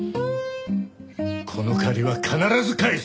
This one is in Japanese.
この借りは必ず返す！